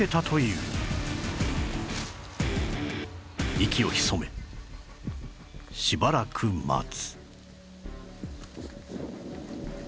息を潜めしばらく待つ